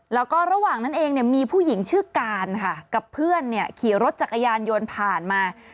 แล้วก็ระหว่างนั้นเองเนี่ยมีผู้หญิงชื่อการค่ะกับเพื่อนเนี่ยขี่รถจักรยานยนต์ผ่านมา